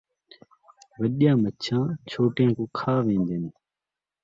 وݙیاں مچھیاں ، چھوٹیاں کوں کھا وین٘دین